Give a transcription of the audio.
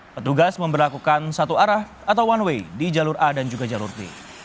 petugas memperlakukan satu arah atau one way di jalur a dan juga jalur d